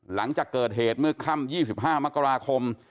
หลังจากเกิดเหตุเมื่อค่ำ๒๕มกราคม